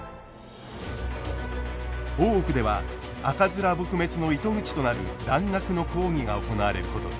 大奥では赤面撲滅の糸口となる蘭学の講義が行われることに。